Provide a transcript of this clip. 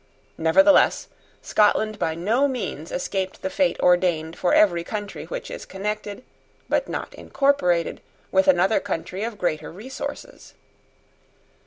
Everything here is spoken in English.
Nevertheless Scotland by no means escaped the fate ordained for every country which is connected, but not incorporated, with another country of greater resources.